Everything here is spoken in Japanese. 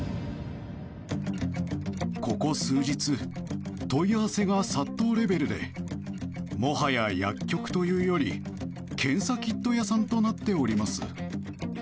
ここ、数日問い合わせが殺到レベルでもはや薬局というより検査キット屋さんとなっております。